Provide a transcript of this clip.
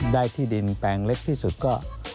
ได้ที่ดินแปลงเล็กที่สุดก็